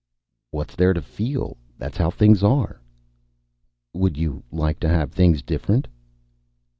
"What's there to feel? That's how things are." "Would you like to have things different?"